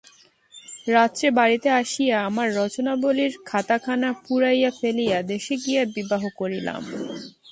রাত্রে বাড়িতে আসিয়া আমার রচনাবলীর খাতাখানা পুড়াইয়া ফেলিয়া দেশে গিয়া বিবাহ করিলাম।